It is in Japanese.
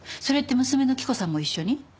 それって娘の着子さんも一緒に？